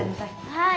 はい。